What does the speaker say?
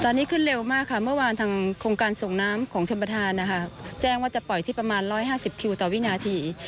ตอนนี้ขึ้นเร็วมากค่ะเมื่อวานทางโครงการส่งน้ำของชมประธานนะคะแจ้งว่าจะปล่อยที่ประมาณ๑๕๐คิวต่อวินาที